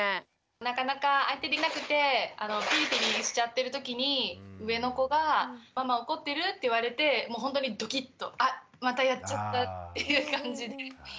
なかなか相手できなくてピリピリしちゃってるときに上の子が「ママ怒ってる？」って言われてほんとにドキッと「あまたやっちゃった」っていう感じで。